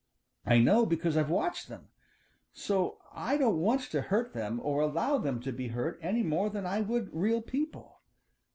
I know because I've watched them. So I don't want to hurt them or allow them to be hurt any more than I would real people.